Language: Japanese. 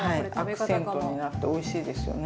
アクセントになっておいしいですよね。